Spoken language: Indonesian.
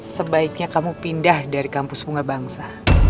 sebaiknya kamu pindah dari kampus bunga bangsa